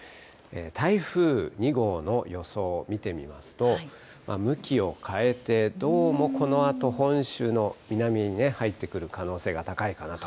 台風２号の予想を見てみますと、向きを変えて、どうもこのあと、本州の南に入ってくる可能性が高いかなと。